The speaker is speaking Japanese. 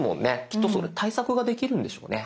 きっとその対策ができるんでしょうね。